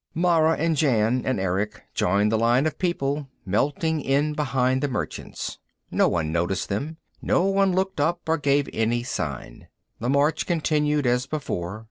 Mara and Jan and Erick joined the line of people, melting in behind the merchants. No one noticed them; no one looked up or gave any sign. The march continued as before.